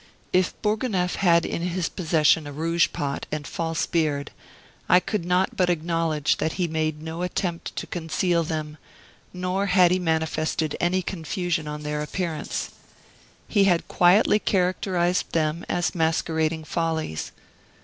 If Bourgonef had in his possession a rouge pot and false beard, I could not but acknowledge that he made no attempt to conceal them, nor had he manifested any confusion on their appearance. He had quietly characterized them as masquerading follies.